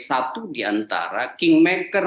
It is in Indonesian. satu diantara kingmaker